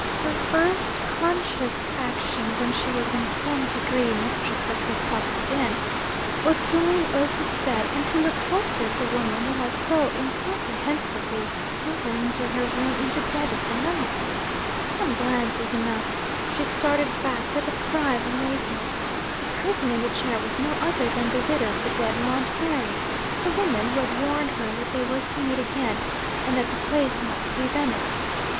Her first conscious action, when she was in some degree mistress of herself again, was to lean over the bed, and to look closer at the woman who had so incomprehensibly stolen into her room in the dead of night. One glance was enough: she started back with a cry of amazement. The person in the chair was no other than the widow of the dead Montbarry the woman who had warned her that they were to meet again, and that the place might be Venice!